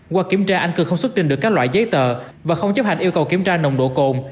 qua kiểm tra anh cường không xuất trình được các loại giấy tờ và không chấp hành yêu cầu kiểm tra nồng độ cồn